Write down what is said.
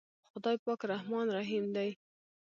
خداے پاک رحمان رحيم دے۔